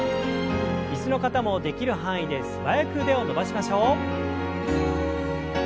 椅子の方もできる範囲で素早く腕を伸ばしましょう。